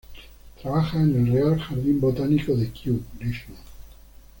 Trabaja en el Real Jardín Botánico de Kew, Richmond.